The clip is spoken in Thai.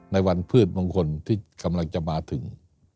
ในวันพืชมงคลที่กำลังจะมาถึง